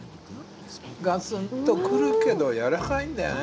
ガツンとくるけど柔らかいんだよね。